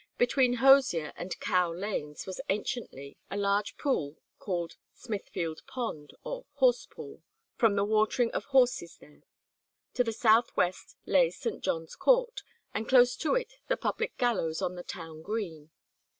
Between Hozier and Cow Lanes was anciently a large pool called Smithfield Pond or Horse Pool, "from the watering of horses there;" to the southwest lay St. John's Court, and close to it the public gallows on the town green.